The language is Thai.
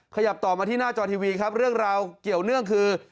ขยับต่อมาที่หน้าจอทีวีครับเรื่องราวเกี่ยวเนื่องคือ